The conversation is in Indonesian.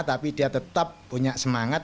tapi dia tetap punya semangat